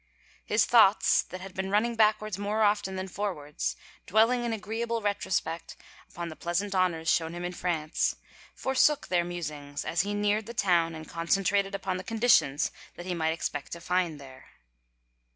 His thoughts, that had been nmning backwards more often than forwards, dwelling in agreeable retrospect upon the pleasant honors shown him in France, forsook their musings, as he neared the town and concentrated upon the conditions that he might expect to find there.